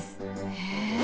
へえ！